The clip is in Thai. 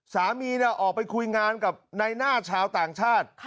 สามีออกไปคุยงานกับในหน้าชาวต่างชาติ